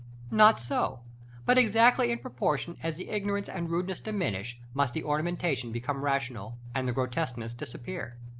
Not so; but exactly in proportion as the ignorance and rudeness diminish, must the ornamentation become rational, and the grotesqueness disappear.